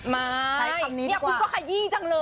ไม่เนี่ยคุณก็ขยี้จังเลย